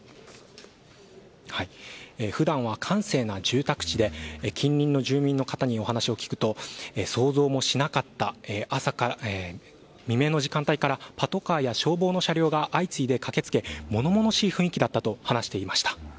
普段は閑静な住宅地で近隣の住民の方にお話を聞くと想像もしなかった未明の時間帯からパトカーや消防の車両が相次いで駆け付け物々しい雰囲気だったと話していました。